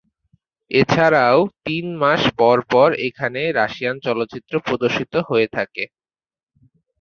এছাড়াও তিন মাস পর পর এখানে রাশিয়ান চলচ্চিত্র প্রদর্শিত হয়ে থাকে।